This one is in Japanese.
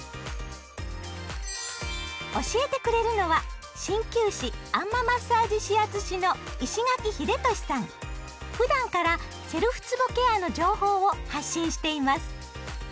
教えてくれるのは鍼灸師あん摩マッサージ指圧師のふだんからセルフつぼケアの情報を発信しています。